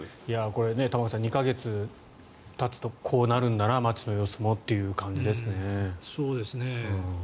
これ玉川さん、２か月たつとこうなるんだな、街の様子もという感じですね。